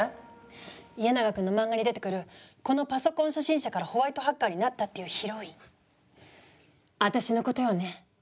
家長くんのマンガに出てくるこのパソコン初心者からホワイトハッカーになったっていうヒロイン私のことよね？